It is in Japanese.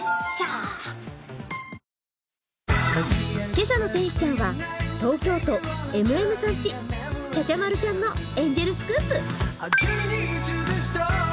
けさの天使ちゃんは東京都のちゃちゃまるちゃんのエンジェルスクープ。